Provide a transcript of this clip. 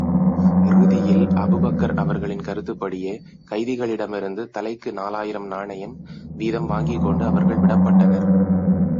இறுதியில், அபூபக்கர் அவர்களின் கருத்துப்படியே, கைதிகளிடமிருந்து தலைக்கு நாலாயிரம் நாணயம் வீதம் வாங்கிக் கொண்டு அவர்கள் விடப்பட்டனர்.